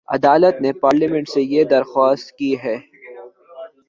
عدالت نے پارلیمنٹ سے یہ درخواست کی ہے